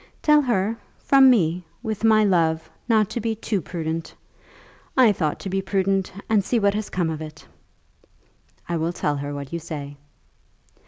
"Tell her, from me, with my love, not to be too prudent. I thought to be prudent, and see what has come of it." "I will tell her what you say."